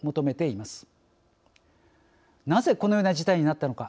なぜこのような事態になったのか。